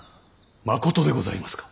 まことでございますか。